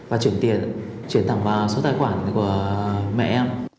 và chuyển tiền chuyển thẳng vào số tài khoản của mẹ em